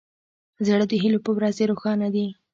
زړه د هیلو په ورځې روښانه وي.